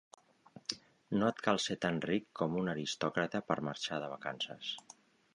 No et cal ser tan ric com un aristòcrata per marxar de vacances.